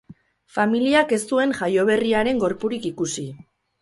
Familiak ez zuen jaioberriaren gorpurik ikusi.